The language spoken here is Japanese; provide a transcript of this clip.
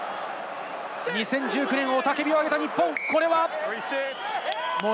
２０１９年、雄たけびを挙げた日本、これは。